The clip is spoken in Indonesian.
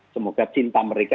semoga cinta mereka